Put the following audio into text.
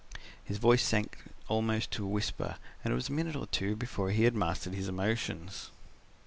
His voice sank almost to a whisper, and it was a minute or two before he had mastered his emotions.